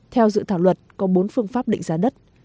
theo dự thảo luật có bốn phương pháp định giá đất